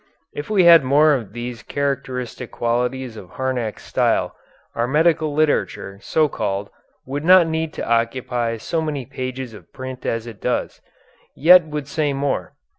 If we had more of these characteristic qualities of Harnack's style, our medical literature, so called, would not need to occupy so many pages of print as it does yet would say more.